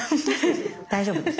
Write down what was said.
大丈夫です。